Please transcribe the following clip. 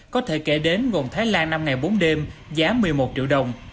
có thể kể đến gồm thái lan năm ngày bốn đêm giá một mươi một triệu đồng